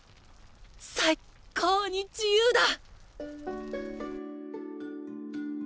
最高に自由だ！